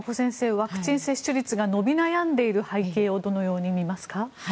ワクチン接種率が伸び悩んでいる背景をどのように見ますか？